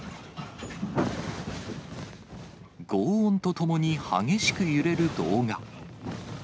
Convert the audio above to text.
ごう音とともに激しく揺れる動画。